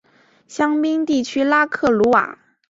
香槟地区拉克鲁瓦。